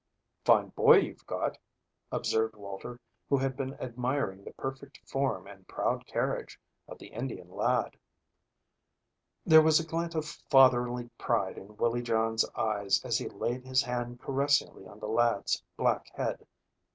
"Fine boy you've got," observed Walter, who had been admiring the perfect form and proud carriage of the Indian lad. There was a glint of fatherly pride in Willie John's eyes as he laid his hand caressingly on the lad's black head.